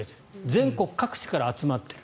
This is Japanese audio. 全国各地から集まっている。